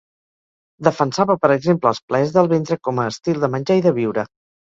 Defensava per exemple els plaers del ventre com a estil de menjar i de viure.